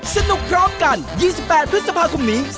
พร้อมกัน๒๘พฤษภาคมนี้